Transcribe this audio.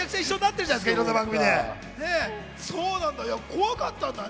怖かったっすよ。